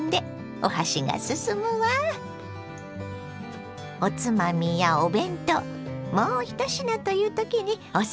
おつまみやお弁当もう一品という時におすすめです。